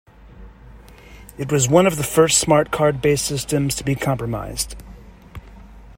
It was one of the first smart card based systems to be compromised.